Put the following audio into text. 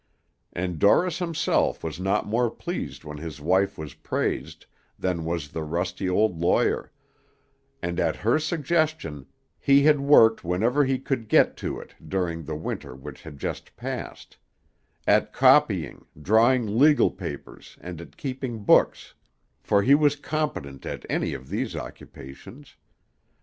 And Dorris himself was not more pleased when his wife was praised than was the rusty old lawyer, and at her suggestion he had worked whenever he could get it to do during the winter which had just passed; at copying, drawing legal papers, and at keeping books, for he was competent at any of these occupations.